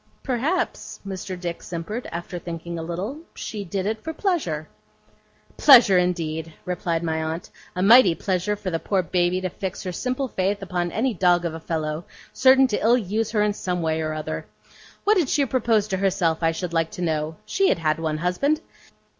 'Perhaps,' Mr. Dick simpered, after thinking a little, 'she did it for pleasure.' 'Pleasure, indeed!' replied my aunt. 'A mighty pleasure for the poor Baby to fix her simple faith upon any dog of a fellow, certain to ill use her in some way or other. What did she propose to herself, I should like to know! She had had one husband.